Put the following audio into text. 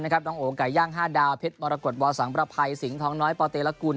น้องโอ๋งไก่ย่าง๕ดาวเพ็ดมรกฎวาสังประไพรสิงห์ท้องน้อยปอเตรละกุล